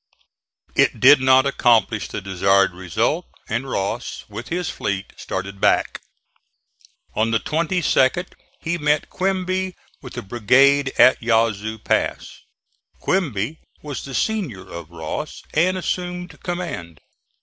It did not accomplish the desired result, and Ross, with his fleet, started back. On the 22d he met Quinby with a brigade at Yazoo Pass. Quinby was the senior of Ross, and assumed command.